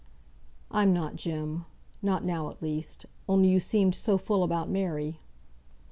"I'm not, Jem; not now, at least; only you seemed so full about Mary."